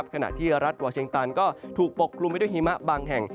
ขณะที่รัฐวาเชงตันก็ถูกปกกลุ่มไปด้วยหิมะบางแห่ง